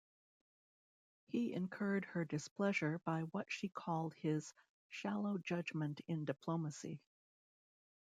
He incurred her displeasure by what she called his "shallow judgement in diplomacy".